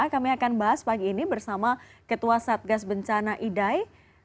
kami akan bahas pagi ini bersama ketua satgas bencana idai